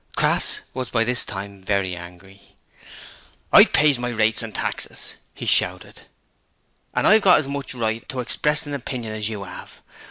Crass was by this time very angry. 'I pays my rates and taxes,' he shouted, 'an' I've got as much right to express an opinion as you 'ave.